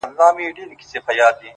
o داسي نه كړو؛